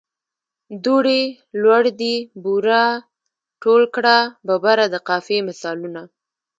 دوړه، لوړ دي، بوره، ټول کړه، ببره د قافیې مثالونه.